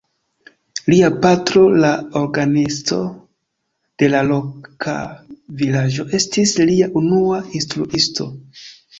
Lia patro, la orgenisto de la loka vilaĝo, estis lia unua instruisto.